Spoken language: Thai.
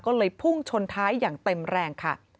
ก็เลยพุ่งชนท้ายอย่างเต็มแรงค่ะ